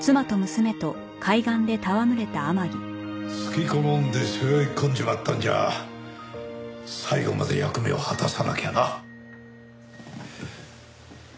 好き好んで背負い込んじまったんじゃ最後まで役目を果たさなきゃな。